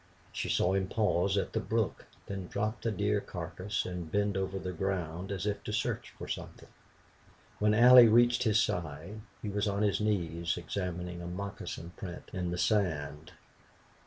She saw him pause at the brook, then drop the deer carcass and bend over the ground, as if to search for something. When Allie reached his side he was on his knees examining a moccasin print in the sand.